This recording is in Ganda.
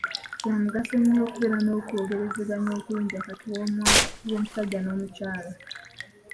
Kya mugaso nnyo okubeera n'okwogerezeganya okulungi wakati w'omusajja n'omukyala.